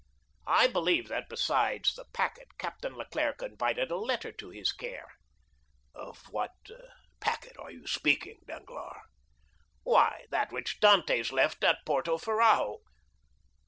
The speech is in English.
"I believe that, besides the packet, Captain Leclere confided a letter to his care." "Of what packet are you speaking, Danglars?" "Why, that which Dantès left at Porto Ferrajo."